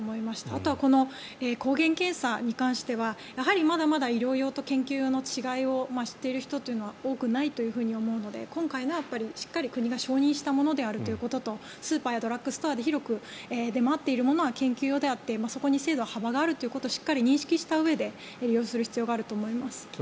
あとはこの抗原検査に関してはやはりまだまだ医療用と研究用の違いを知っている人というのは多くないと思うので今回のは、しっかりと国が承認したものであるということとスーパーやドラッグストアで広く出回っているものは研究用であって、そこの精度は幅があるということをしっかり認識したうえで利用する必要があると思います。